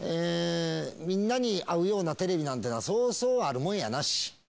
みんなに合うようなテレビなんてのは、そうそうあるもんやなし。